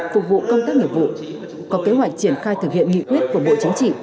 phục vụ công tác nghiệp vụ có kế hoạch triển khai thực hiện nghị quyết của bộ chính trị